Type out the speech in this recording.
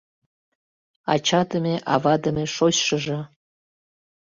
Ачадыме-авадыме шочшыжо